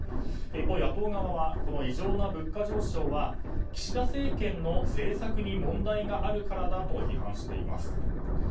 一方、野党側はこの異常な物価上昇は岸田政権の政策に問題があるからだと批判しています。